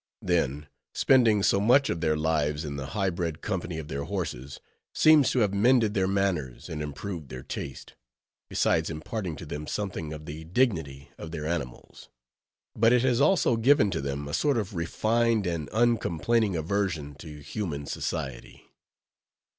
Then spending so much of their lives in the high bred company of their horses, seems to have mended their manners and improved their taste, besides imparting to them something of the dignity of their animals; but it has also given to them a sort of refined and uncomplaining aversion to human society.